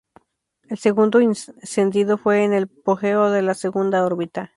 El segundo encendido fue en el apogeo de la segunda órbita.